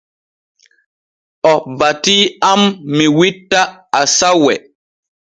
O batii am mi witta asawe.